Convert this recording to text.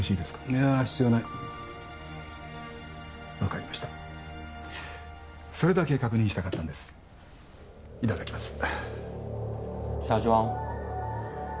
いやー必要ない分かりましたそれだけ確認したかったんですいただきます